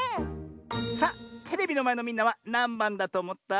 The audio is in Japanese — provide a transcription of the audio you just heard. さあテレビのまえのみんなはなんばんだとおもった？